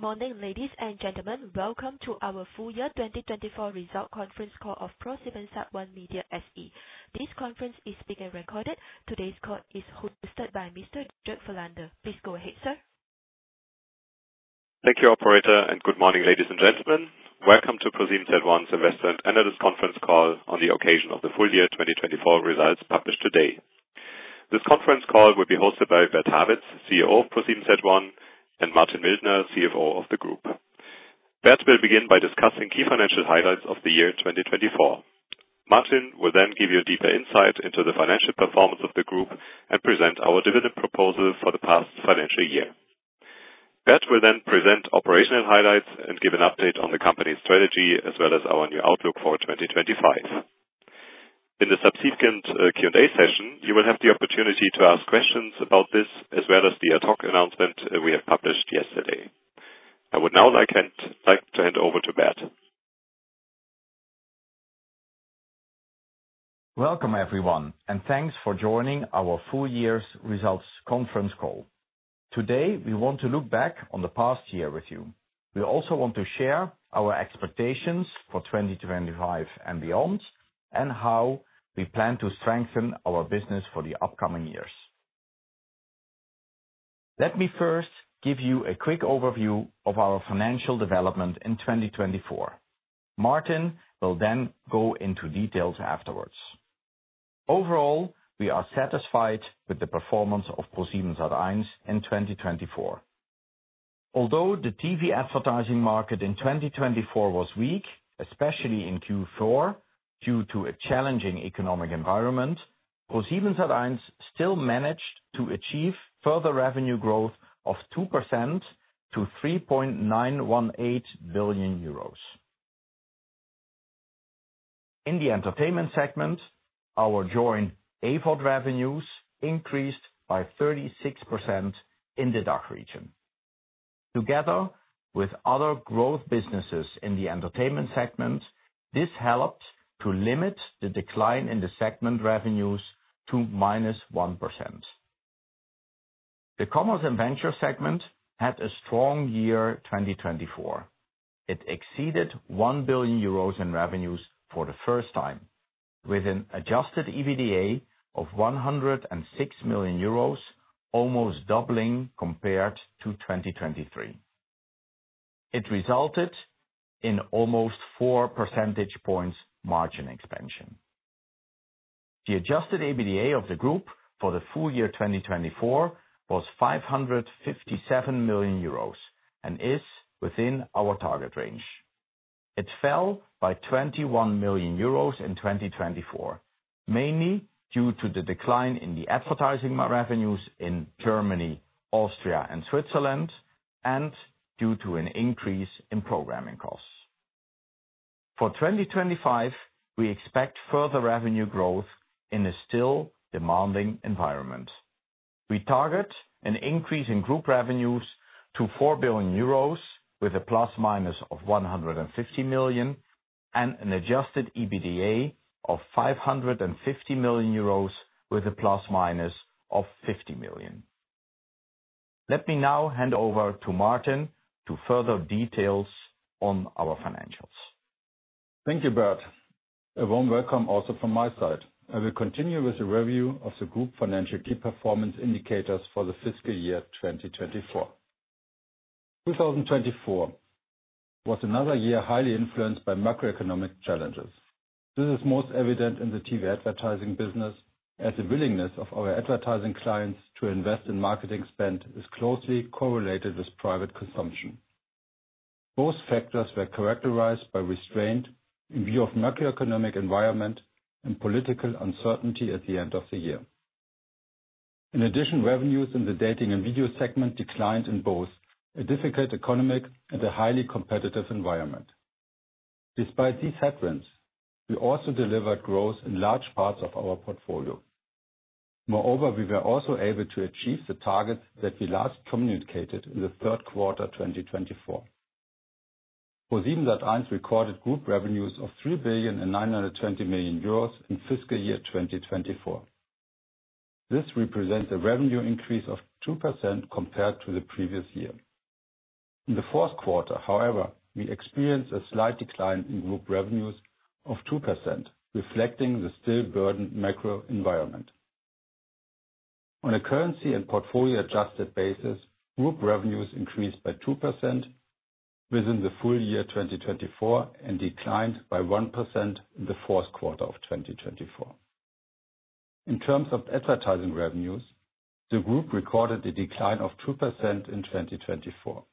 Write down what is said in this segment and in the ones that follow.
Good morning, ladies and gentlemen. Welcome to our Full Year 2024 Result Conference Call of ProSiebenSat.1 Media SE. This conference is being recorded. Today's call is hosted by Mr. Dirk Voigtländer. Please go ahead, sir. Thank you, operator, and good morning, ladies and gentlemen. Welcome to ProSiebenSat.1's investment analyst conference call on the occasion of the full year 2024 results published today. This conference call will be hosted by Bert Habets, CEO of ProSiebenSat.1, and Martin Mildner, CFO of the group. Bert will begin by discussing key financial highlights of the year 2024. Martin will then give you a deeper insight into the financial performance of the group and present our dividend proposal for the past financial year. Bert will then present operational highlights and give an update on the company's strategy as well as our new outlook for 2025. In the subsequent Q&A session, you will have the opportunity to ask questions about this as well as the ad hoc announcement we have published yesterday. I would now like to hand over to Bert. Welcome, everyone, and thanks for joining our full year's results conference call. Today, we want to look back on the past year with you. We also want to share our expectations for 2025 and beyond, and how we plan to strengthen our business for the upcoming years. Let me first give you a quick overview of our financial development in 2024. Martin will then go into details afterwards. Overall, we are satisfied with the performance of ProSiebenSat.1 in 2024. Although the TV advertising market in 2024 was weak, especially in Q4 due to a challenging economic environment, ProSiebenSat.1 still managed to achieve further revenue growth of 2% to 3.918 billion euros. In the Entertainment segment, our Joyn AVOD revenues increased by 36% in the DACH region. Together with other growth businesses in the Entertainment segment, this helped to limit the decline in the segment revenues to -1%. The Commerce & Ventures segment had a strong year 2024. It exceeded 1.0 billion euros in revenues for the first time, with an Adjusted EBITDA of 106 million euros, almost doubling compared to 2023. It resulted in almost 4 percentage points margin expansion. The Adjusted EBITDA of the group for the full year 2024 was 557 million euros and is within our target range. It fell by 21 million euros in 2024, mainly due to the decline in the advertising revenues in Germany, Austria, and Switzerland, and due to an increase in programming costs. For 2025, we expect further revenue growth in a still demanding environment. We target an increase in group revenues to 4 billion euros, with a ±150 million, and an Adjusted EBITDA of 550 million euros, with a ±50 million. Let me now hand over to Martin to further details on our financials. Thank you, Bert. A warm welcome also from my side. I will continue with a review of the group financial key performance indicators for the fiscal year 2024. 2024 was another year highly influenced by macroeconomic challenges. This is most evident in the TV advertising business, as the willingness of our advertising clients to invest in marketing spend is closely correlated with private consumption. Those factors were characterized by restraint in view of the macroeconomic environment and political uncertainty at the end of the year. In addition, revenues in the Dating & Video segment declined in both a difficult economic and a highly competitive environment. Despite these headwinds, we also delivered growth in large parts of our portfolio. Moreover, we were also able to achieve the targets that we last communicated in the third quarter 2024. ProSiebenSat.1 recorded group revenues of 3 billion and 920 million euros in fiscal year 2024. This represents a revenue increase of 2% compared to the previous year. In the fourth quarter, however, we experienced a slight decline in group revenues of 2%, reflecting the still burdened macro environment. On a currency and portfolio adjusted basis, group revenues increased by 2% within the full year 2024 and declined by 1% in the fourth quarter of 2024. In terms of advertising revenues, the group recorded a decline of 2% in 2024.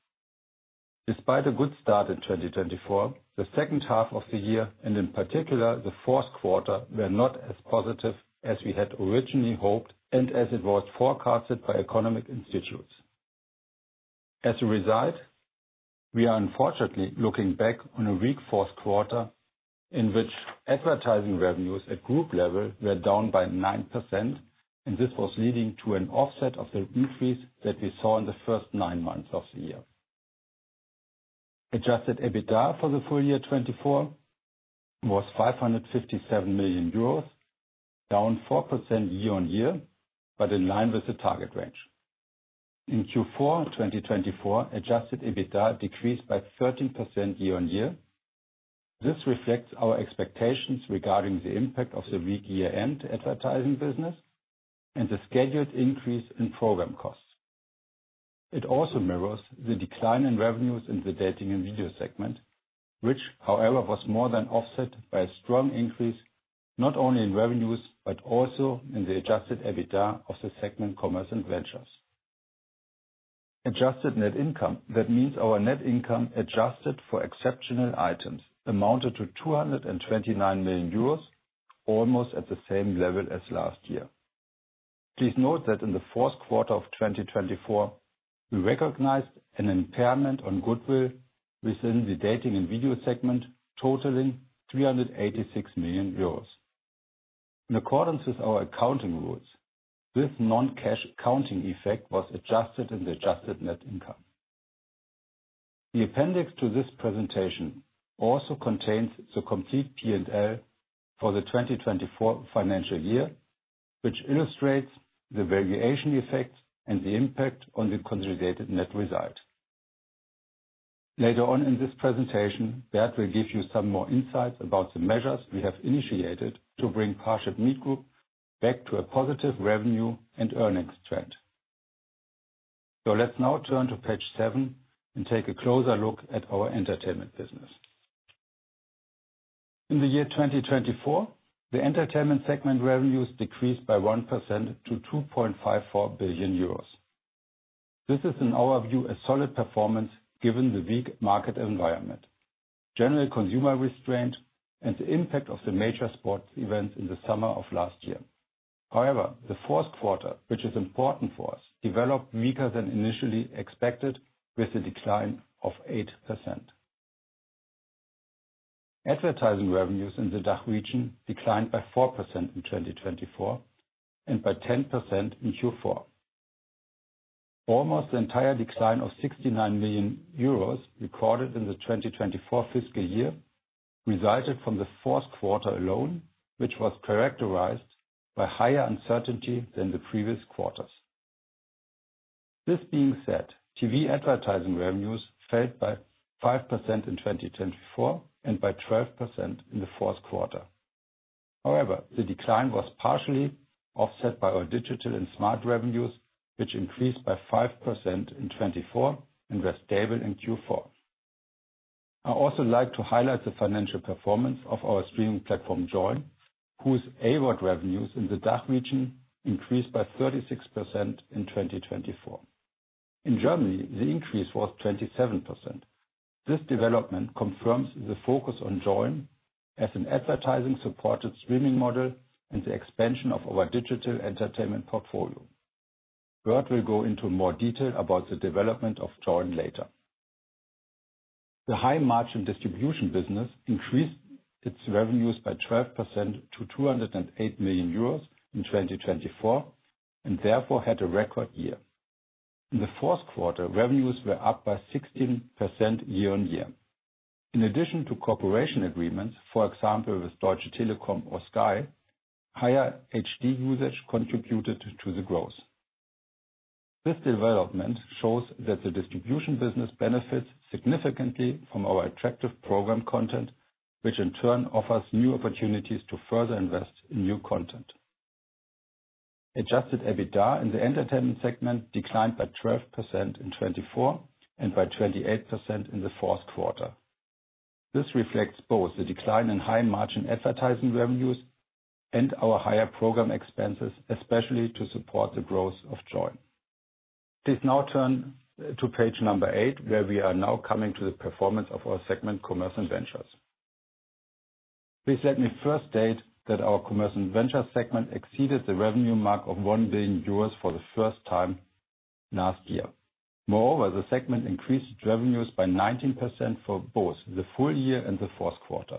Despite a good start in 2024, the second half of the year, and in particular the fourth quarter, were not as positive as we had originally hoped and as it was forecasted by economic institutes. As a result, we are unfortunately looking back on a weak fourth quarter in which advertising revenues at group level were down by 9%, and this was leading to an offset of the increase that we saw in the first nine months of the year. Adjusted EBITDA for the full year 2024 was 557 million euros, down 4% year-on-year, but in line with the target range. In Q4 2024, Adjusted EBITDA decreased by 13% year-on-year. This reflects our expectations regarding the impact of the weak year-end advertising business and the scheduled increase in program costs. It also mirrors the decline in revenues in the Dating & Video segment, which, however, was more than offset by a strong increase not only in revenues but also in the Adjusted EBITDA of the segment Commerce & Ventures. Adjusted net income, that means our net income adjusted for exceptional items, amounted to 229 million euros, almost at the same level as last year. Please note that in the fourth quarter of 2024, we recognized an impairment on goodwill within the Dating & Video segment, totaling 386 million euros. In accordance with our accounting rules, this non-cash accounting effect was adjusted in the Adjusted Net Income. The appendix to this presentation also contains the complete P&L for the 2024 financial year, which illustrates the valuation effects and the impact on the consolidated net result. Later on in this presentation, Bert will give you some more insights about the measures we have initiated to bring ParshipMeet Group back to a positive revenue and earnings trend. So let's now turn to page seven and take a closer look at our Entertainment business. In the year 2024, the Entertainment segment revenues decreased by 1% to 2.54 billion euros. This is, in our view, a solid performance given the weak market environment, general consumer restraint, and the impact of the major sports events in the summer of last year. However, the fourth quarter, which is important for us, developed weaker than initially expected with a decline of 8%. Advertising revenues in the DACH region declined by 4% in 2024 and by 10% in Q4. Almost the entire decline of 69 million euros recorded in the 2024 fiscal year resulted from the fourth quarter alone, which was characterized by higher uncertainty than the previous quarters. This being said, TV advertising revenues fell by 5% in 2024 and by 12% in the fourth quarter. However, the decline was partially offset by our digital and streaming revenues, which increased by 5% in 2024 and were stable in Q4. I also like to highlight the financial performance of our streaming platform Joyn, whose AVOD revenues in the DACH region increased by 36% in 2024. In Germany, the increase was 27%. This development confirms the focus on Joyn as an advertising-supported streaming model and the expansion of our digital entertainment portfolio. Bert will go into more detail about the development of Joyn later. The high-margin distribution business increased its revenues by 12% to 208 million euros in 2024 and therefore had a record year. In the fourth quarter, revenues were up by 16% year-on-year. In addition to cooperation agreements, for example, with Deutsche Telekom or Sky, higher HD usage contributed to the growth. This development shows that the distribution business benefits significantly from our attractive program content, which in turn offers new opportunities to further invest in new content. Adjusted EBITDA in the Entertainment segment declined by 12% in 2024 and by 28% in the fourth quarter. This reflects both the decline in high-margin advertising revenues and our higher program expenses, especially to support the growth of Joyn. Please now turn to page number eight, where we are now coming to the performance of our segment Commerce & Ventures. Please let me first state that our Commerce & Ventures segment exceeded the revenue mark of 1 billion euros for the first time last year. Moreover, the segment increased revenues by 19% for both the full year and the fourth quarter.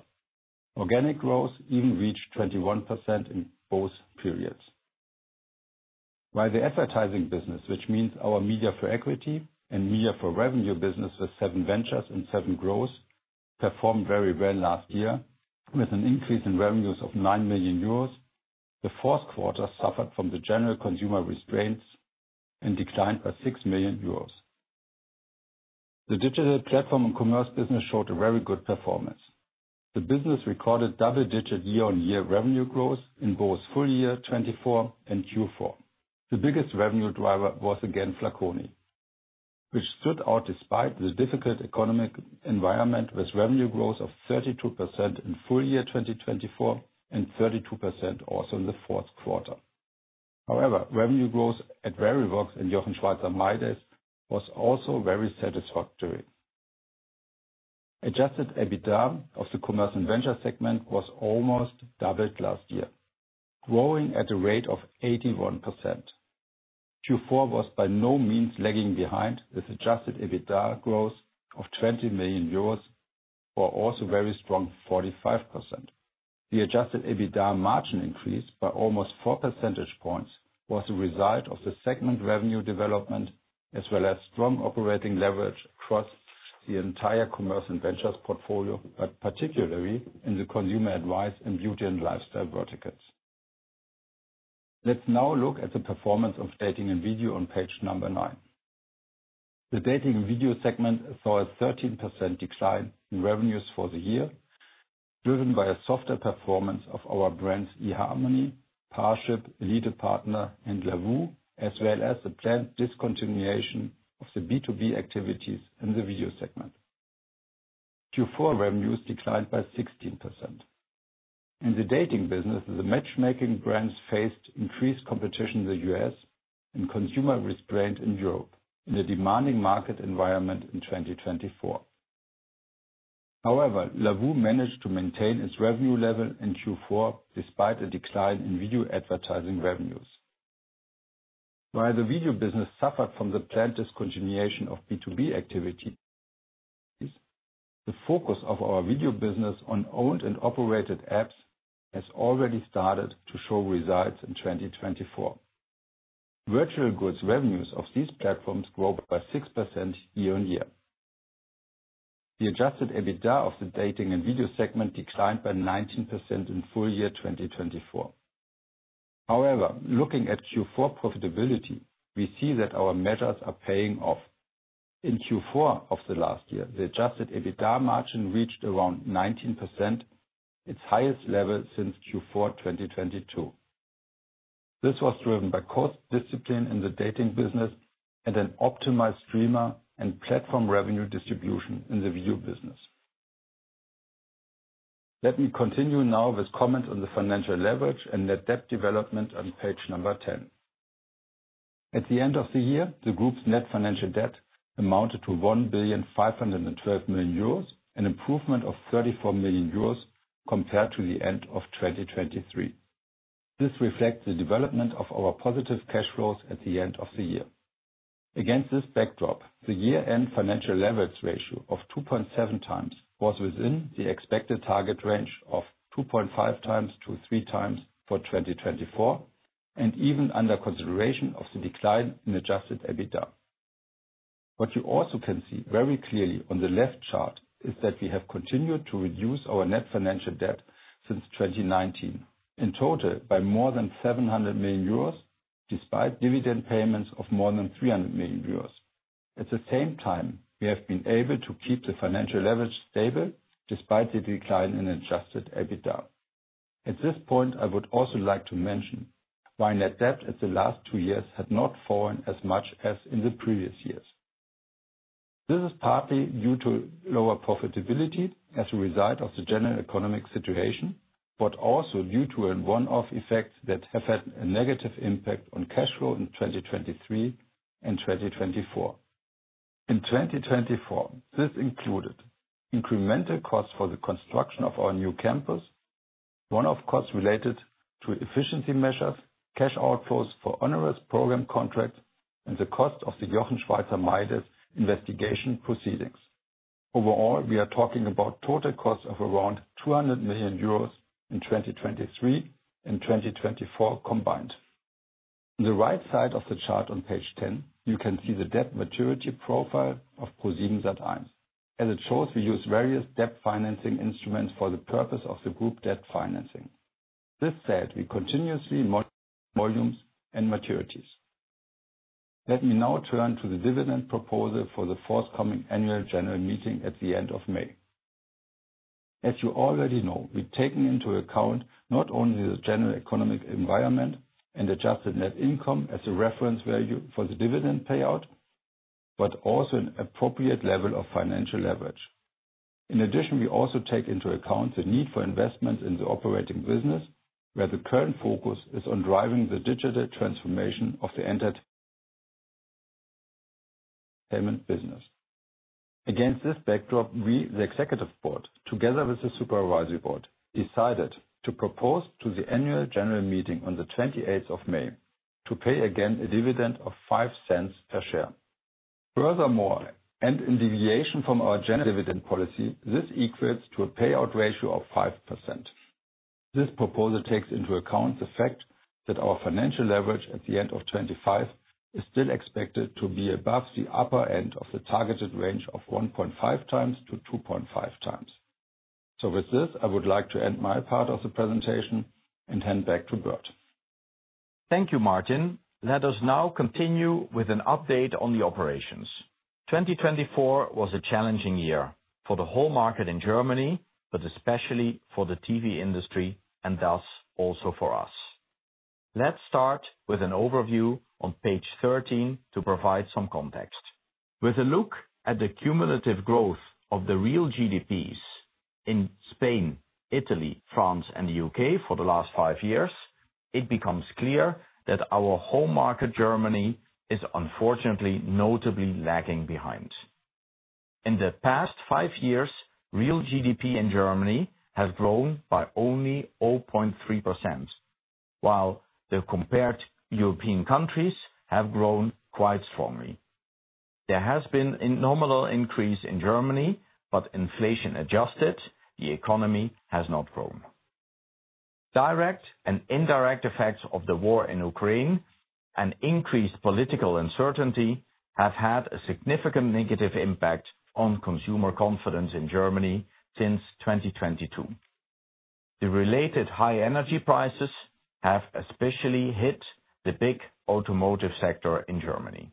Organic growth even reached 21% in both periods. While the advertising business, which means our media for equity and media for revenue business with SevenVentures and SevenGrowth, performed very well last year with an increase in revenues of 9 million euros, the fourth quarter suffered from the general consumer restraints and declined by 6 million euros. The digital platform and commerce business showed a very good performance. The business recorded double-digit year-on-year revenue growth in both full year 2024 and Q4. The biggest revenue driver was again Flaconi, which stood out despite the difficult economic environment with revenue growth of 32% in full year 2024 and 32% also in the fourth quarter. However, revenue growth at Verivox and Jochen Schweizer mydays was also very satisfactory. Adjusted EBITDA of the Commerce & Ventures segment was almost doubled last year, growing at a rate of 81%. Q4 was by no means lagging behind with Adjusted EBITDA growth of 20 million euros or also very strong 45%. The Adjusted EBITDA margin increase by almost 4 percentage points was a result of the segment revenue development as well as strong operating leverage across the entire Commerce & Ventures portfolio, but particularly in the consumer advice and beauty and lifestyle verticals. Let's now look at the performance of Dating & Video on page number nine. The Dating & Video segment saw a 13% decline in revenues for the year, driven by a softer performance of our brands eharmony, Parship, ElitePartner, and Lovoo, as well as the planned discontinuation of the B2B activities in the video segment. Q4 revenues declined by 16%. In the dating business, the matchmaking brands faced increased competition in the U.S. and consumer restraint in Europe in a demanding market environment in 2024. However, Lovoo managed to maintain its revenue level in Q4 despite a decline in video advertising revenues. While the video business suffered from the planned discontinuation of B2B activities, the focus of our video business on owned and operated apps has already started to show results in 2024. Virtual goods revenues of these platforms grow by 6% year-on-year. The Adjusted EBITDA of the Dating & Video segment declined by 19% in full year 2024. However, looking at Q4 profitability, we see that our measures are paying off. In Q4 of the last year, the Adjusted EBITDA margin reached around 19%, its highest level since Q4 2022. This was driven by cost discipline in the dating business and an optimized streamer and platform revenue distribution in the video business. Let me continue now with comments on the financial leverage and net debt development on page number 10. At the end of the year, the group's Net Financial Debt amounted to 1.512 billion, an improvement of 34 million euros compared to the end of 2023. This reflects the development of our positive cash flows at the end of the year. Against this backdrop, the year-end financial leverage ratio of 2.7x was within the expected target range of 2.5x-3x for 2024, and even under consideration of the decline in Adjusted EBITDA. What you also can see very clearly on the left chart is that we have continued to reduce our net financial debt since 2019, in total by more than 700 million euros, despite dividend payments of more than 300 million euros. At the same time, we have been able to keep the financial leverage stable despite the decline in Adjusted EBITDA. At this point, I would also like to mention why net debt in the last two years had not fallen as much as in the previous years. This is partly due to lower profitability as a result of the general economic situation, but also due to one-off effects that have had a negative impact on cash flow in 2023 and 2024. In 2024, this included incremental costs for the construction of our new campus, one-off costs related to efficiency measures, cash outflows for onerous program contracts, and the cost of the Jochen Schweizer mydays investigation proceedings. Overall, we are talking about total costs of around 200 million euros in 2023 and 2024 combined. On the right side of the chart on page 10, you can see the debt maturity profile of ProSiebenSat.1. As it shows, we use various debt financing instruments for the purpose of the group debt financing. This said, we continuously monitor volumes and maturities. Let me now turn to the dividend proposal for the forthcoming annual general meeting at the end of May. As you already know, we take into account not only the general economic environment and Adjusted Net Income as a reference value for the dividend payout, but also an appropriate level of financial leverage. In addition, we also take into account the need for investments in the operating business, where the current focus is on driving the digital transformation of the Entertainment business. Against this backdrop, we, the Executive Board, together with the Supervisory Board, decided to propose to the annual general meeting on the 28th of May to pay again a dividend of 0.05 per share. Furthermore, and in deviation from our general dividend policy, this equals to a payout ratio of 5%. This proposal takes into account the fact that our financial leverage at the end of 2025 is still expected to be above the upper end of the targeted range of 1.5x -2.5x. So with this, I would like to end my part of the presentation and hand back to Bert. Thank you, Martin. Let us now continue with an update on the operations. 2024 was a challenging year for the whole market in Germany, but especially for the TV industry and thus also for us. Let's start with an overview on page 13 to provide some context. With a look at the cumulative growth of the real GDPs in Spain, Italy, France, and the UK for the last five years, it becomes clear that our whole market, Germany, is unfortunately notably lagging behind. In the past five years, real GDP in Germany has grown by only 0.3%, while the compared European countries have grown quite strongly. There has been a nominal increase in Germany, but inflation adjusted, the economy has not grown. Direct and indirect effects of the war in Ukraine and increased political uncertainty have had a significant negative impact on consumer confidence in Germany since 2022. The related high energy prices have especially hit the big automotive sector in Germany.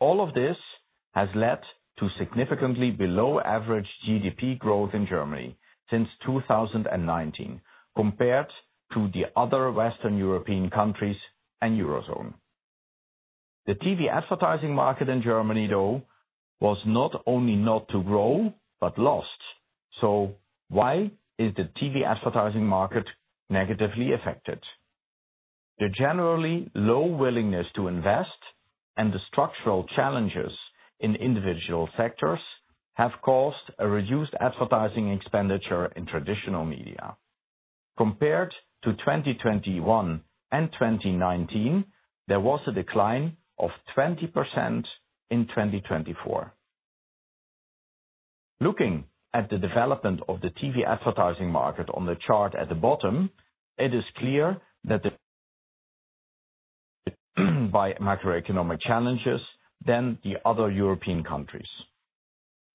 All of this has led to significantly below-average GDP growth in Germany since 2019, compared to the other Western European countries and Eurozone. The TV advertising market in Germany, though, was not only not to grow, but lost. So why is the TV advertising market negatively affected? The generally low willingness to invest and the structural challenges in individual sectors have caused a reduced advertising expenditure in traditional media. Compared to 2021 and 2019, there was a decline of 20% in 2024. Looking at the development of the TV advertising market on the chart at the bottom, it is clear that the market was hit more by macroeconomic challenges than the other European countries.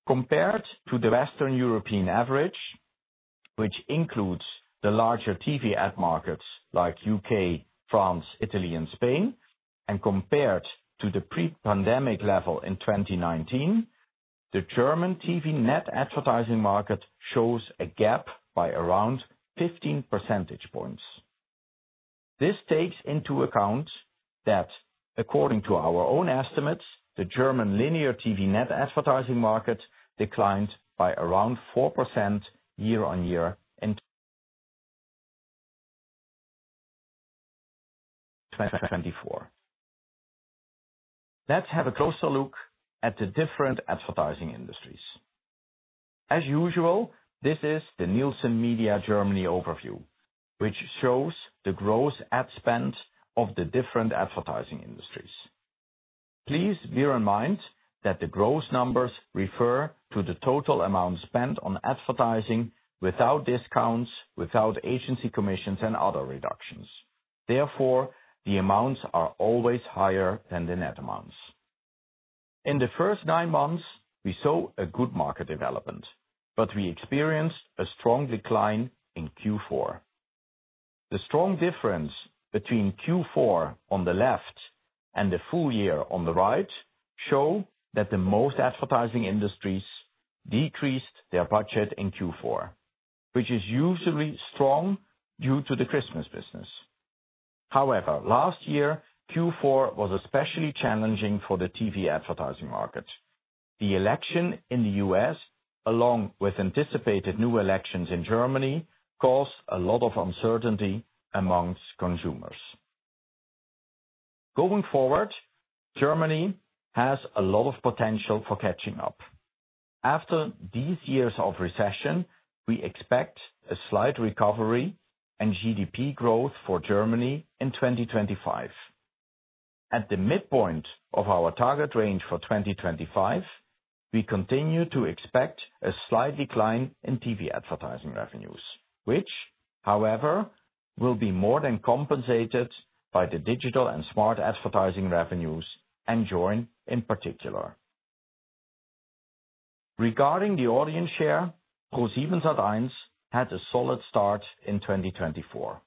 Compared to the Western European average, which includes the larger TV ad markets like UK, France, Italy, and Spain, and compared to the pre-pandemic level in 2019, the German TV net advertising market shows a gap of around 15 percentage points. This takes into account that, according to our own estimates, the German linear TV net advertising market declined by around 4% year-on-year in 2024. Let's have a closer look at the different advertising industries. As usual, this is the Nielsen Media Germany overview, which shows the gross ad spend of the different advertising industries. Please bear in mind that the gross numbers refer to the total amount spent on advertising without discounts, without agency commissions, and other reductions. Therefore, the amounts are always higher than the net amounts. In the first nine months, we saw a good market development, but we experienced a strong decline in Q4. The strong difference between Q4 on the left and the full year on the right shows that the most advertising industries decreased their budget in Q4, which is usually strong due to the Christmas business. However, last year, Q4 was especially challenging for the TV advertising market. The election in the U.S., along with anticipated new elections in Germany, caused a lot of uncertainty among consumers. Going forward, Germany has a lot of potential for catching up. After these years of recession, we expect a slight recovery and GDP growth for Germany in 2025. At the midpoint of our target range for 2025, we continue to expect a slight decline in TV advertising revenues, which, however, will be more than compensated by the digital and smart advertising revenues and Joyn in particular. Regarding the audience share, ProSiebenSat.1 had a solid start in 2024.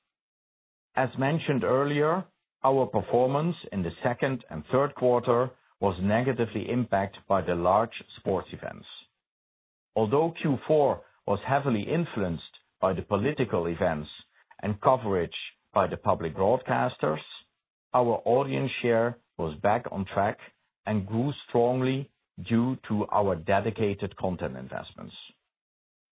As mentioned earlier, our performance in the second and third quarter was negatively impacted by the large sports events. Although Q4 was heavily influenced by the political events and coverage by the public broadcasters, our audience share was back on track and grew strongly due to our dedicated content investments.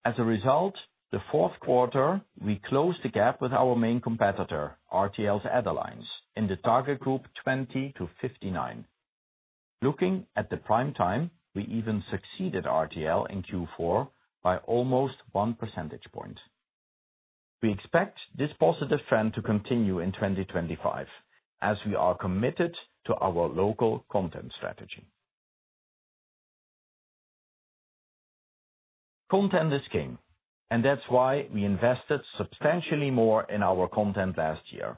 As a result, the fourth quarter, we closed the gap with our main competitor, RTL AdAlliance, in the target group 20 to 59. Looking at the prime time, we even succeeded RTL in Q4 by almost one percentage point. We expect this positive trend to continue in 2025, as we are committed to our local content strategy. Content is king, and that's why we invested substantially more in our content last year.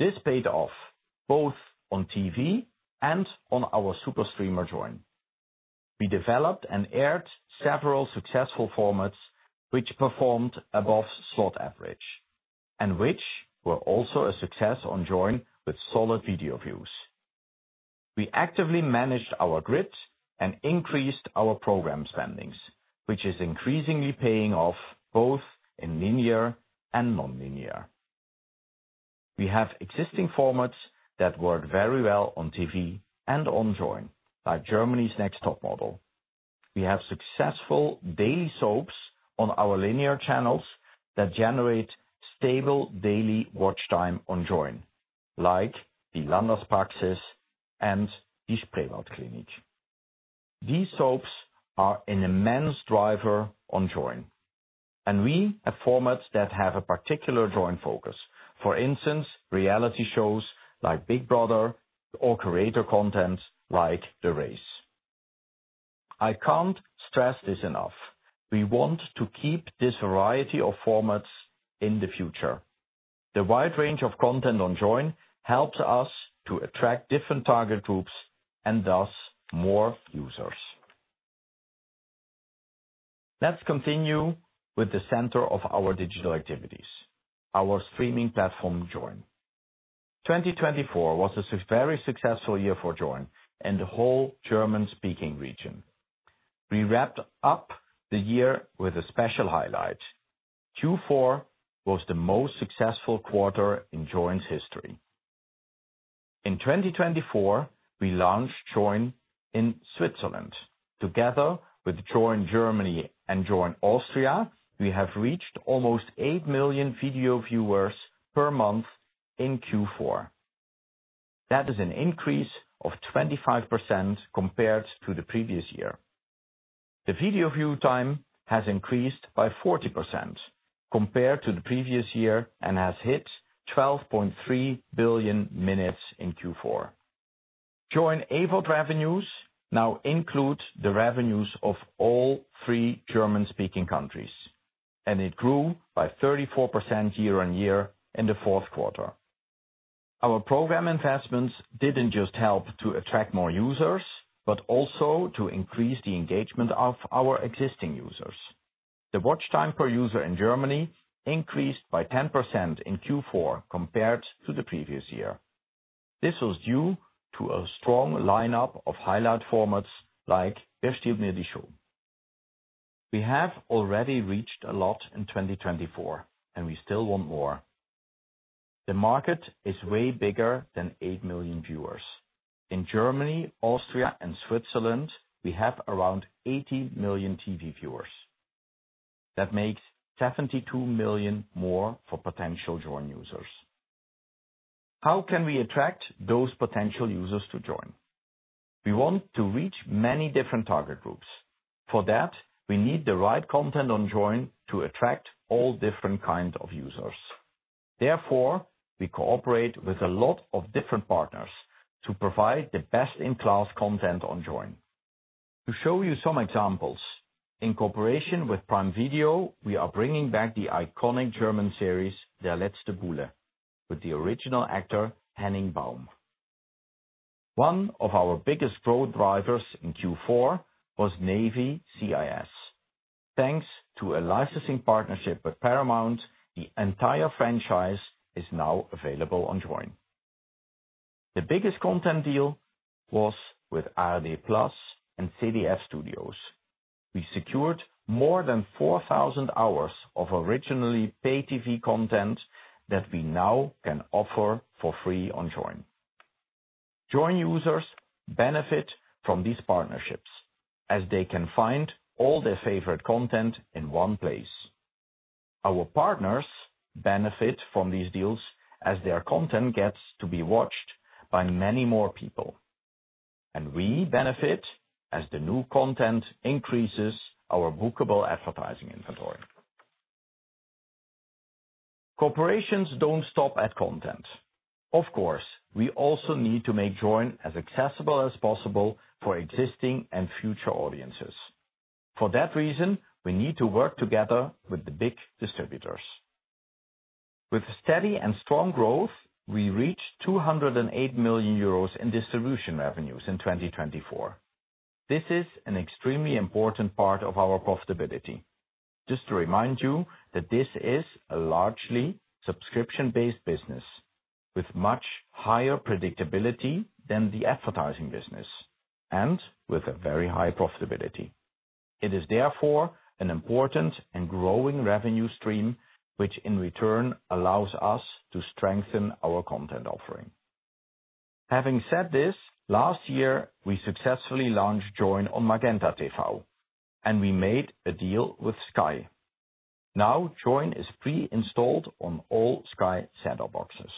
This paid off both on TV and on our super streamer Joyn. We developed and aired several successful formats, which performed above slot average, and which were also a success on Joyn with solid video views. We actively managed our grids and increased our program spending, which is increasingly paying off both in linear and non-linear. We have existing formats that work very well on TV and on Joyn, like Germany's Next Topmodel. We have successful daily soaps on our linear channels that generate stable daily watch time on Joyn, like Die Landarztpraxis and Die Spreewaldklinik. These soaps are an immense driver on Joyn, and we have formats that have a particular Joyn focus, for instance, reality shows like Big Brother or creator content like The Race. I can't stress this enough. We want to keep this variety of formats in the future. The wide range of content on Joyn helps us to attract different target groups and thus more users. Let's continue with the center of our digital activities, our streaming platform Joyn. 2024 was a very successful year for Joyn and the whole German-speaking region. We wrapped up the year with a special highlight. Q4 was the most successful quarter in Joyn's history. In 2024, we launched Joyn in Switzerland. Together with Joyn Germany and Joyn Austria, we have reached almost eight million video viewers per month in Q4. That is an increase of 25% compared to the previous year. The video view time has increased by 40% compared to the previous year and has hit 12.3 billion minutes in Q4. Joyn AVOD revenues now include the revenues of all three German-speaking countries, and it grew by 34% year on year in the fourth quarter. Our program investments didn't just help to attract more users, but also to increase the engagement of our existing users. The watch time per user in Germany increased by 10% in Q4 compared to the previous year. This was due to a strong lineup of highlight formats like Wer stiehlt mir die Show?. We have already reached a lot in 2024, and we still want more. The market is way bigger than eight million viewers. In Germany, Austria, and Switzerland, we have around 80 million TV viewers. That makes 72 million more for potential Joyn users. How can we attract those potential users to join? We want to reach many different target groups. For that, we need the right content on Joyn to attract all different kinds of users. Therefore, we cooperate with a lot of different partners to provide the best-in-class content on Joyn. To show you some examples, in cooperation with Prime Video, we are bringing back the iconic German series Der letzte Bulle with the original actor Henning Baum. One of our biggest growth drivers in Q4 was Navy CIS. Thanks to a licensing partnership with Paramount, the entire franchise is now available on Joyn. The biggest content deal was with ARD Plus and ZDF Studios. We secured more than 4,000 hours of originally pay-TV content that we now can offer for free on Joyn. Joyn users benefit from these partnerships as they can find all their favorite content in one place. Our partners benefit from these deals as their content gets to be watched by many more people, and we benefit as the new content increases our bookable advertising inventory. Corporations don't stop at content. Of course, we also need to make Joyn as accessible as possible for existing and future audiences. For that reason, we need to work together with the big distributors. With steady and strong growth, we reached 208 million euros in distribution revenues in 2024. This is an extremely important part of our profitability. Just to remind you that this is a largely subscription-based business with much higher predictability than the advertising business and with a very high profitability. It is therefore an important and growing revenue stream, which in return allows us to strengthen our content offering. Having said this, last year, we successfully launched Joyn on MagentaTV, and we made a deal with Sky. Now Joyn is pre-installed on all Sky set-top boxes.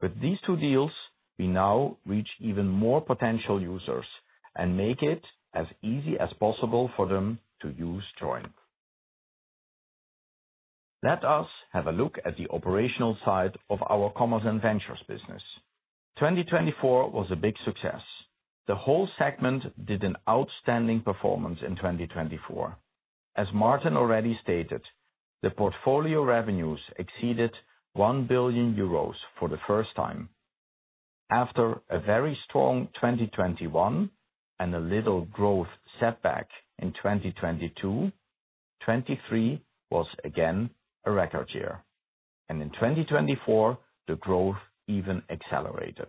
With these two deals, we now reach even more potential users and make it as easy as possible for them to use Joyn. Let us have a look at the operational side of our Commerce & Ventures business. 2024 was a big success. The whole segment did an outstanding performance in 2024. As Martin already stated, the portfolio revenues exceeded 1 billion euros for the first time. After a very strong 2021 and a little growth setback in 2022, 2023 was again a record year, and in 2024, the growth even accelerated.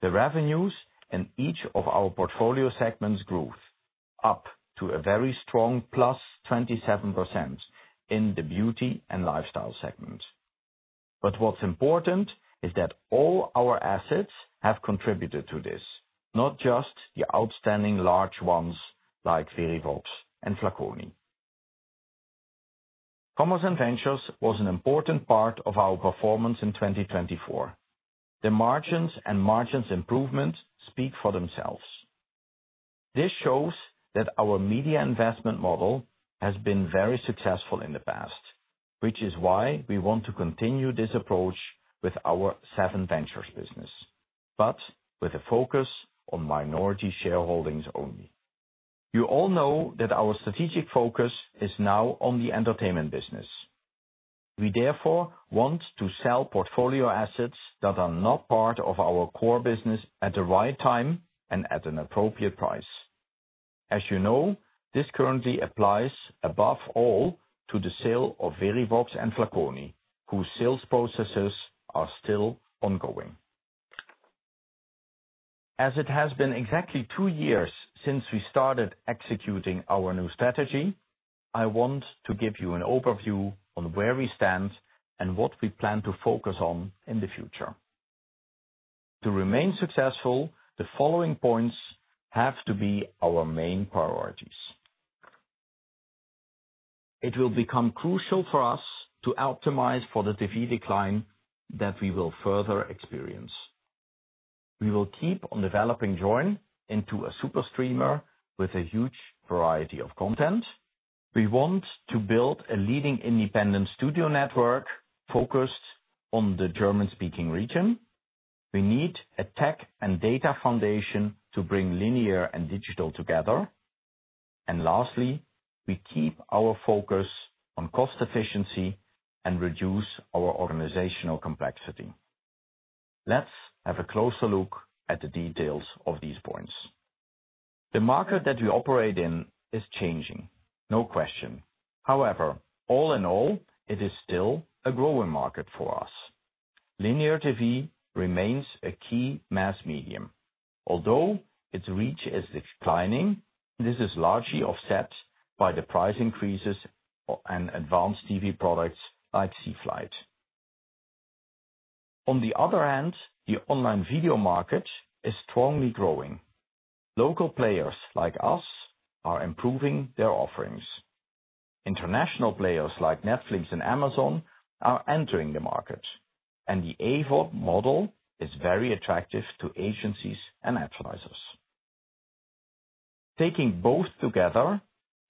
The revenues in each of our portfolio segments grew up to a very strong 27%+ in the beauty and lifestyle segment. But what's important is that all our assets have contributed to this, not just the outstanding large ones like Verivox and Flaconi. Commerce & Ventures was an important part of our performance in 2024. The margins and margins improvement speak for themselves. This shows that our media investment model has been very successful in the past, which is why we want to continue this approach with our SevenVentures business, but with a focus on minority shareholdings only. You all know that our strategic focus is now on the Entertainment business. We therefore want to sell portfolio assets that are not part of our core business at the right time and at an appropriate price. As you know, this currently applies above all to the sale of Verivox and Flaconi, whose sales processes are still ongoing. As it has been exactly two years since we started executing our new strategy, I want to give you an overview on where we stand and what we plan to focus on in the future. To remain successful, the following points have to be our main priorities. It will become crucial for us to optimize for the TV decline that we will further experience. We will keep on developing Joyn into a super streamer with a huge variety of content. We want to build a leading independent studio network focused on the German-speaking region. We need a tech and data foundation to bring linear and digital together. And lastly, we keep our focus on cost efficiency and reduce our organizational complexity. Let's have a closer look at the details of these points. The market that we operate in is changing, no question. However, all in all, it is still a growing market for us. Linear TV remains a key mass medium, although its reach is declining. This is largely offset by the price increases and advanced TV products like CFlight. On the other hand, the online video market is strongly growing. Local players like us are improving their offerings. International players like Netflix and Amazon are entering the market, and the AVOD model is very attractive to agencies and advertisers. Taking both together,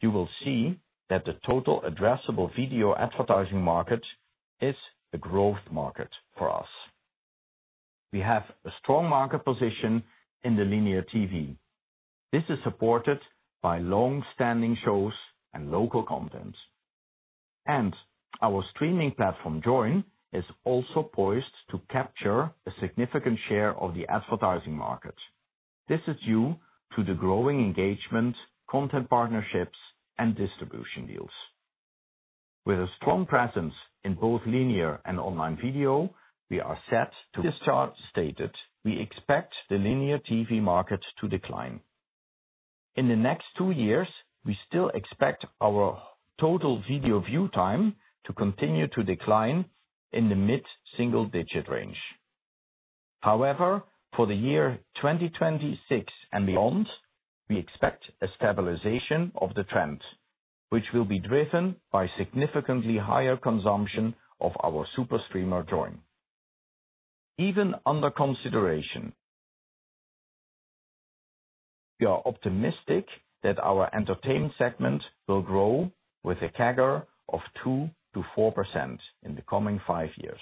you will see that the total addressable video advertising market is a growth market for us. We have a strong market position in the linear TV. This is supported by long-standing shows and local content. And our streaming platform Joyn is also poised to capture a significant share of the advertising market. This is due to the growing engagement, content partnerships, and distribution deals. With a strong presence in both linear and online video, we are set to. This chart states, we expect the linear TV market to decline. In the next two years, we still expect our total video view time to continue to decline in the mid-single digit range. However, for the year 2026 and beyond, we expect a stabilization of the trend, which will be driven by significantly higher consumption of our super streamer Joyn. Even under consideration, we are optimistic that our Entertainment segment will grow with a CAGR of 2 to 4% in the coming five years.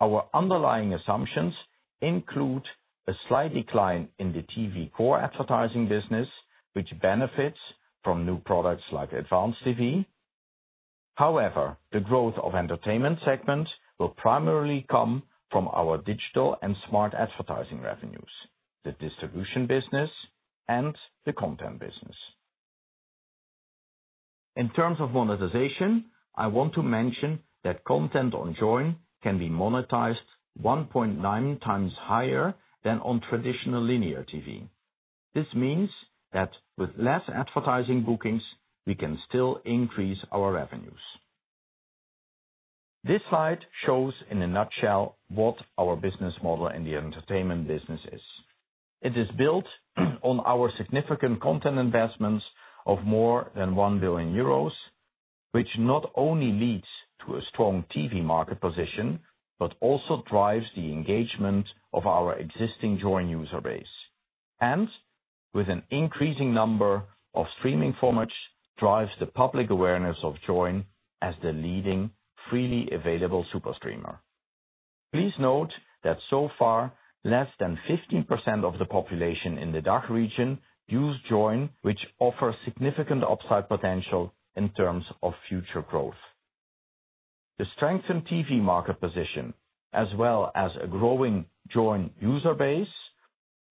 Our underlying assumptions include a slight decline in the TV core advertising business, which benefits from new products like Advanced TV. However, the growth of Entertainment segments will primarily come from our digital and smart advertising revenues, the distribution business, and the content business. In terms of monetization, I want to mention that content on Joyn can be monetized 1.9 times higher than on traditional linear TV. This means that with less advertising bookings, we can still increase our revenues. This slide shows in a nutshell what our business model in the Entertainment business is. It is built on our significant content investments of more than 1.0 billion euros, which not only leads to a strong TV market position, but also drives the engagement of our existing Joyn user base, and with an increasing number of streaming formats, drives the public awareness of Joyn as the leading freely available super streamer. Please note that so far, less than 15% of the population in the DACH region use Joyn, which offers significant upside potential in terms of future growth. The strengthened TV market position, as well as a growing Joyn user base,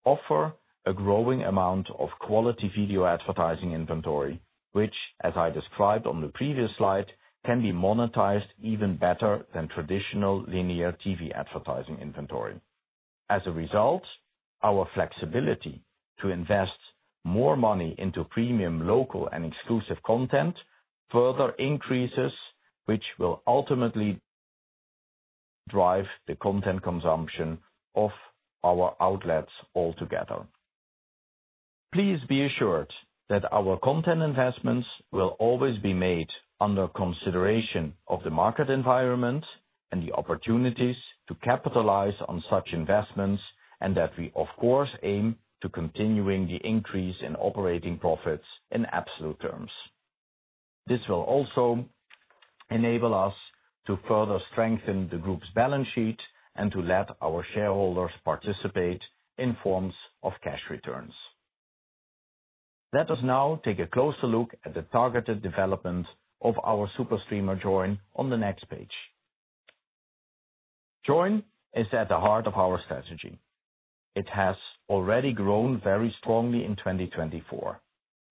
offers a growing amount of quality video advertising inventory, which, as I described on the previous slide, can be monetized even better than traditional linear TV advertising inventory. As a result, our flexibility to invest more money into premium local and exclusive content further increases, which will ultimately drive the content consumption of our outlets altogether. Please be assured that our content investments will always be made under consideration of the market environment and the opportunities to capitalize on such investments, and that we, of course, aim to continue the increase in operating profits in absolute terms. This will also enable us to further strengthen the group's balance sheet and to let our shareholders participate in forms of cash returns. Let us now take a closer look at the targeted development of our super streamer Joyn on the next page. Joyn is at the heart of our strategy. It has already grown very strongly in 2024,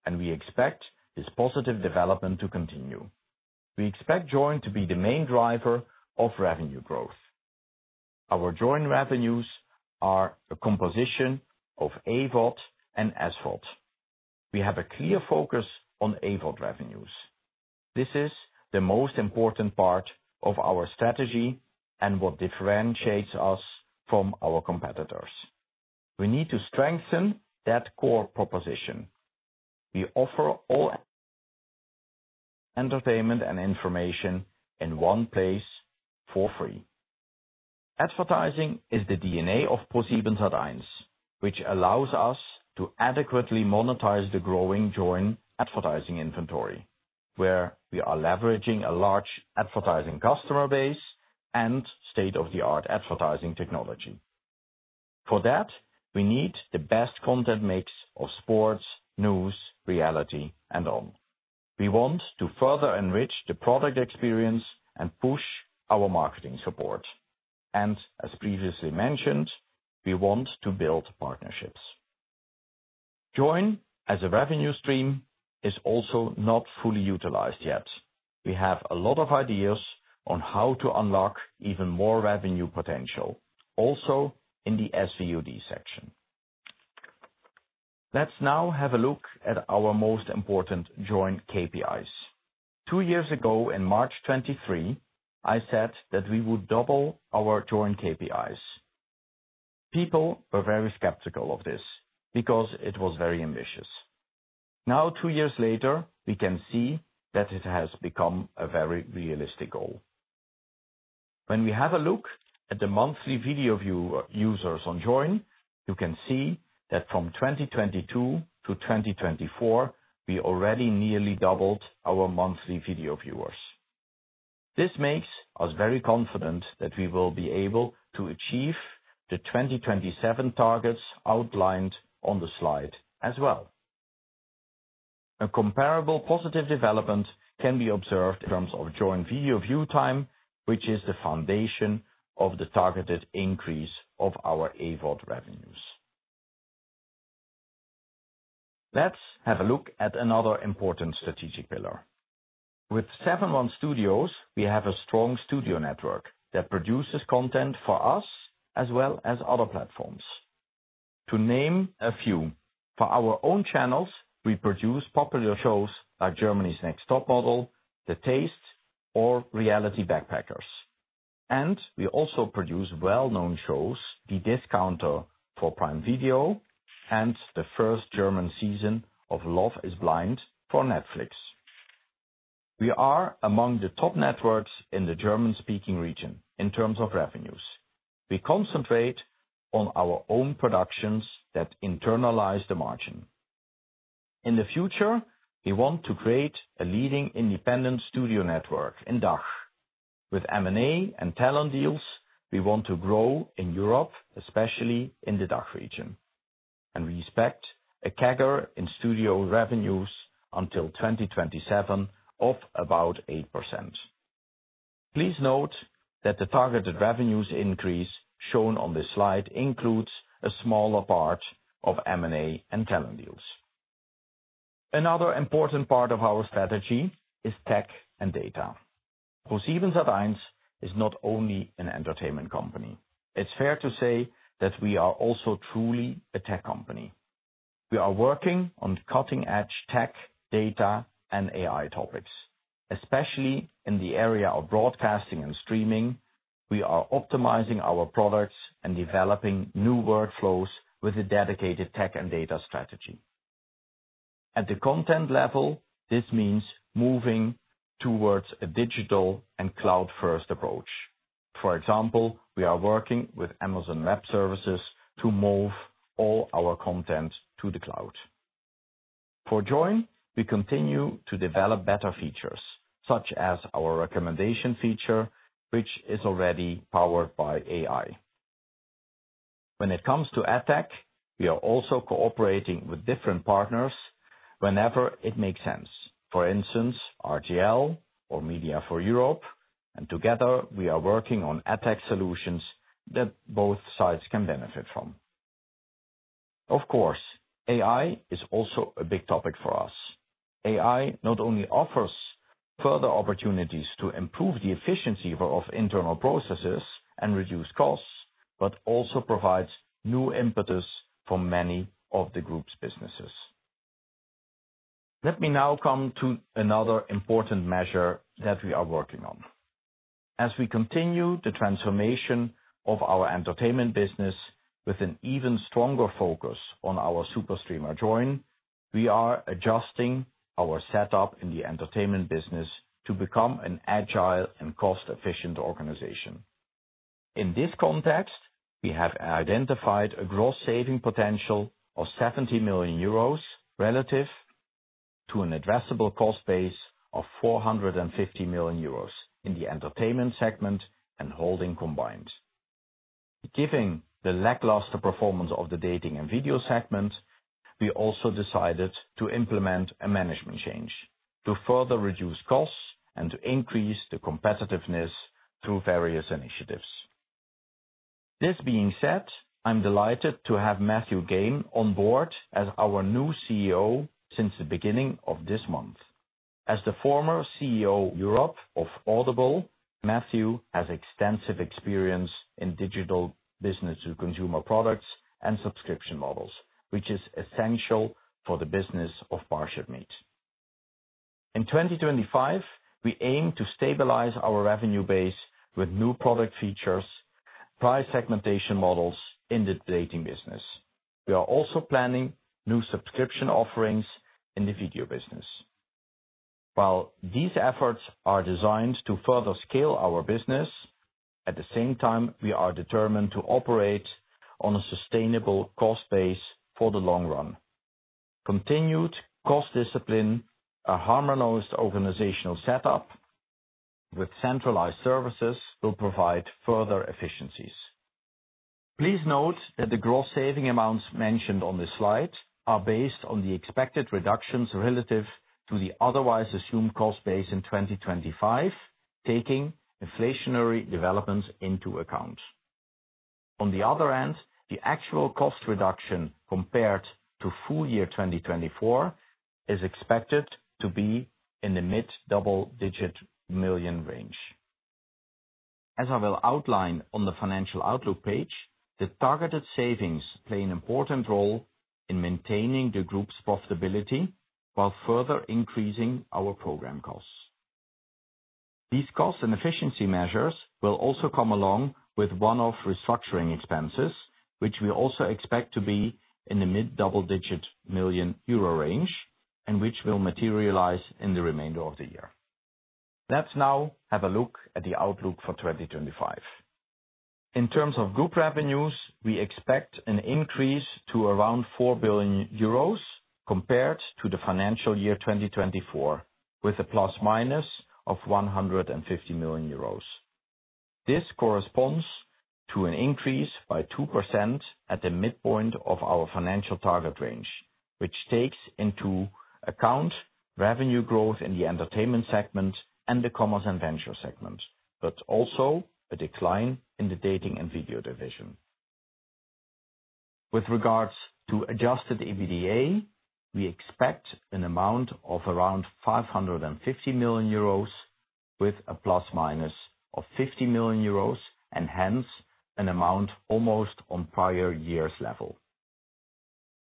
and we expect this positive development to continue. We expect Joyn to be the main driver of revenue growth. Our Joyn revenues are a composition of AVOD and SVOD. We have a clear focus on AVOD revenues. This is the most important part of our strategy and what differentiates us from our competitors. We need to strengthen that core proposition. We offer all entertainment and information in one place for free. Advertising is the DNA of ProSiebenSat.1, which allows us to adequately monetize the growing Joyn advertising inventory, where we are leveraging a large advertising customer base and state-of-the-art advertising technology. For that, we need the best content mix of sports, news, reality, and all. We want to further enrich the product experience and push our marketing support. And as previously mentioned, we want to build partnerships. Joyn as a revenue stream is also not fully utilized yet. We have a lot of ideas on how to unlock even more revenue potential, also in the SVOD section. Let's now have a look at our most important Joyn KPIs. Two years ago, in March 2023, I said that we would double our Joyn KPIs. People were very skeptical of this because it was very ambitious. Now, two years later, we can see that it has become a very realistic goal. When we have a look at the monthly video view users on Joyn, you can see that from 2022-2024, we already nearly doubled our monthly video viewers. This makes us very confident that we will be able to achieve the 2027 targets outlined on the slide as well. A comparable positive development can be observed in terms of Joyn video view time, which is the foundation of the targeted increase of our AVOD revenues. Let's have a look at another important strategic pillar. With Seven.One Studios, we have a strong studio network that produces content for us as well as other platforms. To name a few, for our own channels, we produce popular shows like Germany's Next Topmodel, The Taste, or Reality Backpackers. And we also produce well-known shows, Die Discounter for Prime Video and the first German season of Love Is Blind for Netflix. We are among the top networks in the German-speaking region in terms of revenues. We concentrate on our own productions that internalize the margin. In the future, we want to create a leading independent studio network in DACH. With M&A and talent deals, we want to grow in Europe, especially in the DACH region, and we expect a CAGR in studio revenues until 2027 of about 8%. Please note that the targeted revenues increase shown on this slide includes a smaller part of M&A and talent deals. Another important part of our strategy is tech and data. ProSiebenSat.1 is not only an entertainment company. It's fair to say that we are also truly a tech company. We are working on cutting-edge tech, data, and AI topics, especially in the area of broadcasting and streaming. We are optimizing our products and developing new workflows with a dedicated tech and data strategy. At the content level, this means moving towards a digital and cloud-first approach. For example, we are working with Amazon Web Services to move all our content to the cloud. For Joyn, we continue to develop better features, such as our recommendation feature, which is already powered by AI. When it comes to ad tech, we are also cooperating with different partners whenever it makes sense, for instance, RTL or MediaForEurope, and together, we are working on ad tech solutions that both sides can benefit from. Of course, AI is also a big topic for us. AI not only offers further opportunities to improve the efficiency of internal processes and reduce costs, but also provides new impetus for many of the group's businesses. Let me now come to another important measure that we are working on. As we continue the transformation of our Entertainment business with an even stronger focus on our super streamer Joyn, we are adjusting our setup in the Entertainment business to become an agile and cost-efficient organization. In this context, we have identified a gross saving potential of 70 million euros relative to an addressable cost base of 450 million euros in the Entertainment segment and holdings combined. Given the lackluster performance of the Dating & Video segment, we also decided to implement a management change to further reduce costs and to increase the competitiveness through various initiatives. This being said, I'm delighted to have Matthew Gain on board as our new CEO since the beginning of this month. As the former CEO Europe of Audible, Matthew has extensive experience in digital business to consumer products and subscription models, which is essential for the business of ParshipMeet. In 2025, we aim to stabilize our revenue base with new product features, price segmentation models in the dating business. We are also planning new subscription offerings in the video business. While these efforts are designed to further scale our business, at the same time, we are determined to operate on a sustainable cost base for the long run. Continued cost discipline, a harmonized organizational setup with centralized services, will provide further efficiencies. Please note that the gross saving amounts mentioned on this slide are based on the expected reductions relative to the otherwise assumed cost base in 2025, taking inflationary developments into account. On the other hand, the actual cost reduction compared to full year 2024 is expected to be in the mid-double-digit million range. As I will outline on the financial outlook page, the targeted savings play an important role in maintaining the group's profitability while further increasing our program costs. These cost and efficiency measures will also come along with one-off restructuring expenses, which we also expect to be in the mid-double-digit million euro range and which will materialize in the remainder of the year. Let's now have a look at the outlook for 2025. In terms of group revenues, we expect an increase to around 4 billion euros compared to the financial year 2024, with a ± 150 million euros. This corresponds to an increase by 2% at the midpoint of our financial target range, which takes into account revenue growth in the Entertainment segment and the Commerce & Ventures segment, but also a decline in the Dating & Video division. With regards to Adjusted EBITDA, we expect an amount of around 550 million euros, with a ±50 million euros, and hence an amount almost on prior year's level.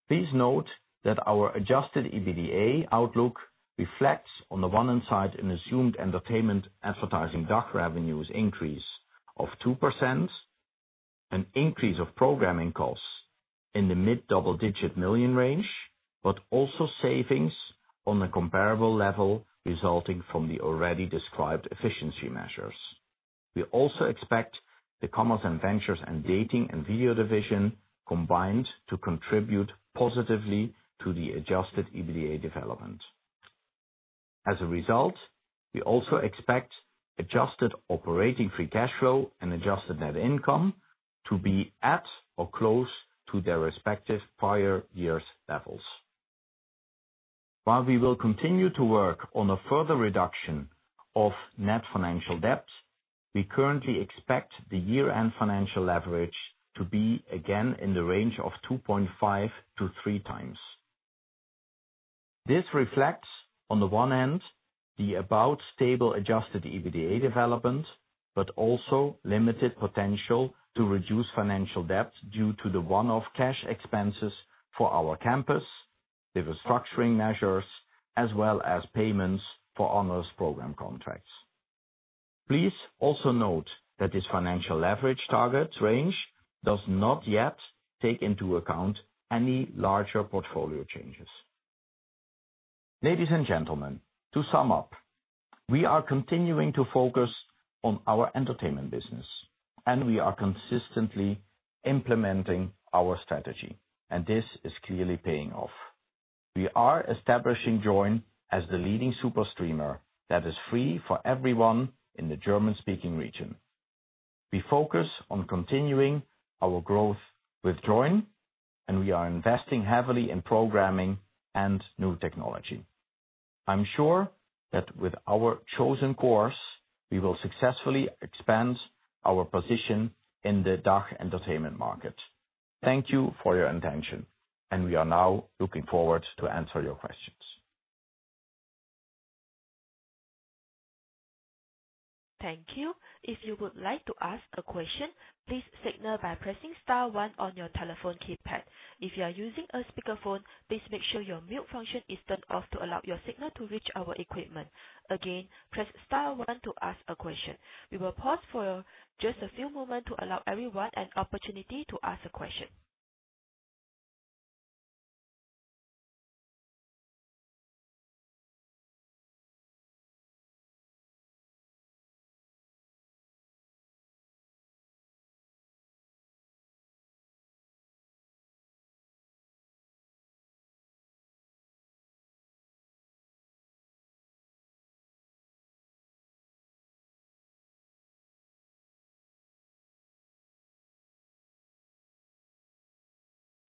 Please note that our Adjusted EBITDA outlook reflects on the one-hand side an assumed entertainment advertising DACH revenues increase of 2%, an increase of programming costs in the mid-double-digit million range, but also savings on a comparable level resulting from the already described efficiency measures. We also expect the Commerce & Ventures and Dating & Video division combined to contribute positively to the Adjusted EBITDA development. As a result, we also expect adjusted operating free cash flow and Adjusted Net Income to be at or close to their respective prior year's levels. While we will continue to work on a further reduction of net financial debt, we currently expect the year-end financial leverage to be again in the range of 2.5x-3x. This reflects on the one hand the about stable Adjusted EBITDA development, but also limited potential to reduce financial debt due to the one-off cash expenses for our campus, the restructuring measures, as well as payments for onerous program contracts. Please also note that this financial leverage target range does not yet take into account any larger portfolio changes. Ladies and gentlemen, to sum up, we are continuing to focus on our Entertainment business, and we are consistently implementing our strategy, and this is clearly paying off. We are establishing Joyn as the leading super streamer that is free for everyone in the German-speaking region. We focus on continuing our growth with Joyn, and we are investing heavily in programming and new technology. I'm sure that with our chosen course, we will successfully expand our position in the DACH entertainment market. Thank you for your attention, and we are now looking forward to answering your questions. Thank you. If you would like to ask a question, please signal by pressing star one on your telephone keypad. If you are using a speakerphone, please make sure your mute function is turned off to allow your signal to reach our equipment. Again, press star one to ask a question. We will pause for just a few moments to allow everyone an opportunity to ask a question.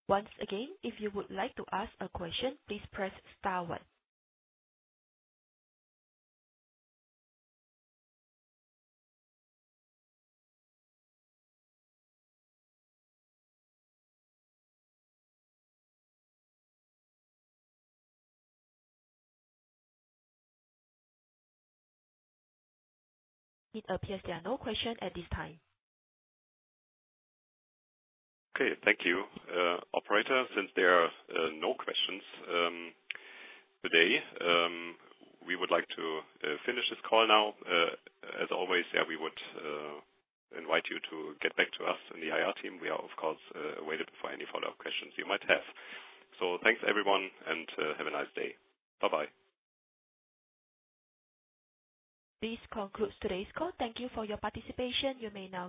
Once again, if you would like to ask a question, please press star one. It appears there are no questions at this time. Okay, thank you, Operator. Since there are no questions today, we would like to finish this call now. As always, we would invite you to get back to us in the IR team. We are, of course, waiting for any follow-up questions you might have. So thanks, everyone, and have a nice day. Bye-bye. This concludes today's call. Thank you for your participation. You may now.